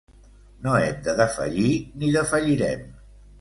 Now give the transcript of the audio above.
No hem de defallir ni defallirem.